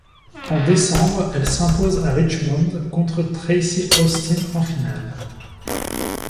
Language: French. En décembre, elle s'impose à Richmond contre Tracy Austin en finale.